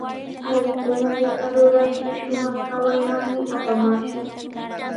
Allikunallata rurashqa, shumaq kawaymanmi apamaashun.